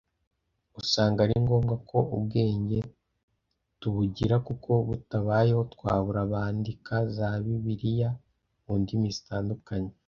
usanga ari ngombwa ko ubwenge tubugira kuko butabayeho twabura abandika za Bibiliya mu ndimi zitandukanye